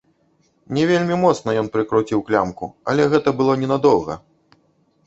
Не вельмі моцна ён прыкруціў клямку, але гэта было ненадоўга.